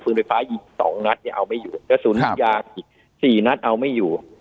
ไฟฟ้าอีก๒นัดเนี่ยเอาไม่อยู่กระสุนยางอีก๔นัดเอาไม่อยู่